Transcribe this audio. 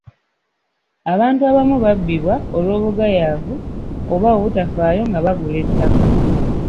Abantu abamu babbibwa olw'obugayaavu oba obutafaayo nga bagula ettaka.